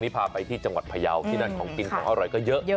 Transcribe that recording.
พาไปที่จังหวัดพยาวที่นั่นของกินของอร่อยก็เยอะ